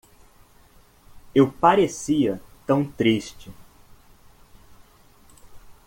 Eu parecia tão triste.